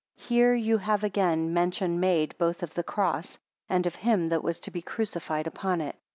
Here you have again mention made, both of the cross, and of him that was to be crucified upon it.